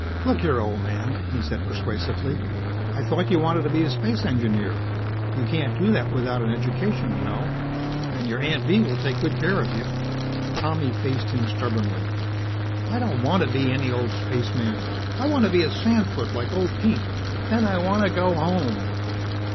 "Look here, old man," he said persuasively. "I thought you wanted to be a space engineer. You can't do that without an education you know. And your Aunt Bee will take good care of you." Tommy faced him stubbornly. "I don't want to be any old spaceman. I want to be a sandfoot like old Pete. And I want to go home."